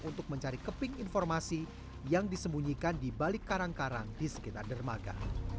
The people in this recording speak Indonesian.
untuk mencari keping informasi yang disembunyikan di balik karang karang di sekitar dermaga